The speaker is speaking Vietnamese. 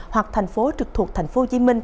hoặc thành phố trực thuộc tp hcm